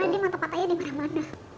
karena dia mantep katanya dimana mana